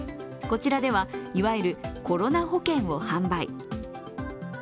こちらでは、いわゆるコロナ保険を販売。